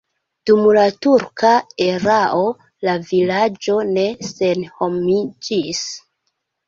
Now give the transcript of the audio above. Dum la turka erao la vilaĝo ne senhomiĝis.